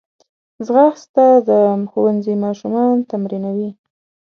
ځغاسته د ښوونځي ماشومان تمرینوي